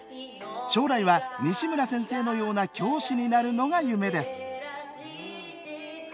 将来は西村先生のような教師になるのが夢です。